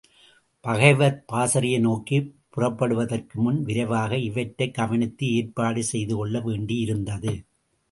பகைவர் பாசறையை நோக்கிப் புறப்படுவதற்குமுன் விரைவாக இவற்றைக் கவனித்து ஏற்பாடு செய்துகொள்ள வேண்டியிருந்தது.